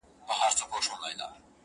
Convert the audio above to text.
o قاسم یاره چي سپېڅلی مي وجدان سي,